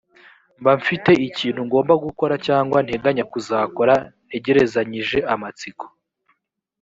mba mfite ikintu ngomba gukora cyangwa nteganya kuzakora. ntegerezanyije amatsiko